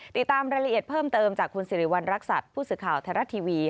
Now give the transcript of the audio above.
ติดตามรายละเอียดเพิ่มเติมจากคุณสิริวัณรักษัตริย์ผู้สื่อข่าวไทยรัฐทีวี